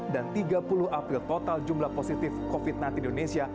dan tiga puluh april total jumlah positif covid sembilan belas di indonesia